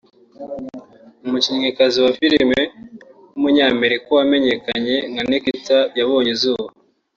umukinnyikazi wa filime w’umunyamerika wamenyekanye nka Nikita yabonye izuba